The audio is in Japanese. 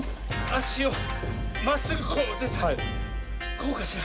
あしをまっすぐこうでこうかしら。